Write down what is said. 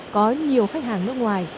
có nhiều khách hàng nước ngoài